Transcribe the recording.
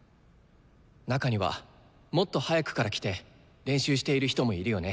中にはもっと早くから来て練習している人もいるよね。